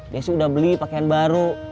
dia sih udah beli pakaian baru